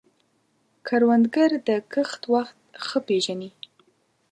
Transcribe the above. کروندګر د کښت وخت ښه پېژني